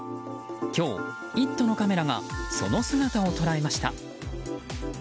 今日、「イット！」のカメラがその姿を捉えました。